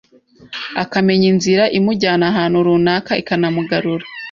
akamenya inzira imujyana ahantu runaka ikanamugarura.